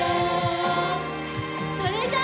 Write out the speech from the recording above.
それじゃあ。